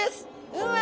うわ！